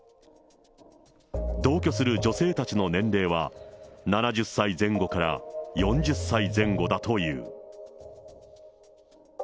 同居する女性たちの年齢は、７０歳前後から４０歳前後だという。